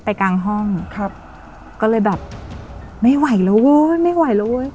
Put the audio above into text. กลางห้องครับก็เลยแบบไม่ไหวแล้วเว้ยไม่ไหวแล้วเว้ย